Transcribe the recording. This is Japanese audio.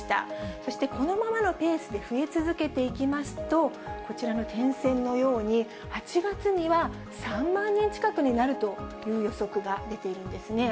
そしてこのままのペースで増え続けていきますと、こちらの点線のように、８月には３万人近くになるという予測が出ているんですね。